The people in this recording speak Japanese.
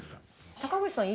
坂口さん